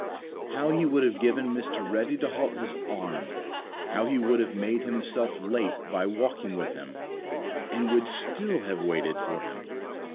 How He would have given Mr. Ready to halt His arm; how He would have made Himself late by walking with him, and would still have waited for him!